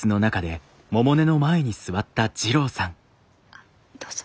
あっどうぞ。